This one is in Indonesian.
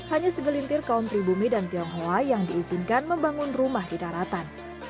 hanya segelintir kaum pribumi dan tionghoa yang diizinkan membangun rumah di daratan